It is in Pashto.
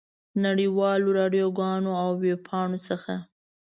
نړۍ والو راډیوګانو او ویبپاڼو څخه.